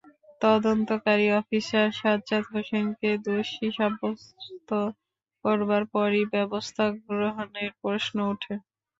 তদন্তকারী অফিসার সাজ্জাদ হোসেনকে দোষী সাব্যস্ত করবার পরই ব্যবস্থা গ্রহণের প্রশ্ন ওঠে।